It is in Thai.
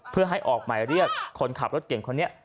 เพื่อให้ออกหมายเรียกคนขับรถเก่งคนนี้